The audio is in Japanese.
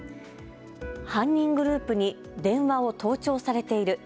犯人グループに電話を盗聴されている。